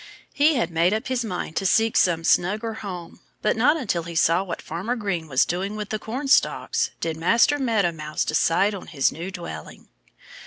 He had made up his mind to seek some snugger home. But not until he saw what Farmer Green was doing with the cornstalks did Master Meadow Mouse decide on his new dwelling.